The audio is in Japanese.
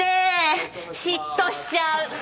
嫉妬しちゃう！